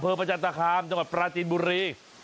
อเภอประจักษงคามจังหวัดประจิบุรี